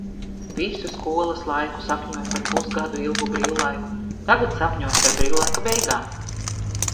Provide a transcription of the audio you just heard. Visu skolas laiku sapņoju par pusgadu ilgu brīvlaiku. Tagad sapņoju par brīvlaika beigām.